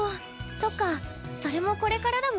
そっかそれもこれからだもんね。